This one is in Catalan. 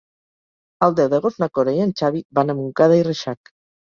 El deu d'agost na Cora i en Xavi van a Montcada i Reixac.